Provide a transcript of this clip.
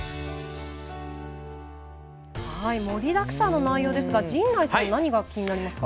盛りだくさんの内容ですが陣内さんは何が気になりますか？